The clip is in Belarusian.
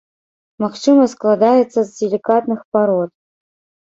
Магчыма, складаецца з сілікатных парод.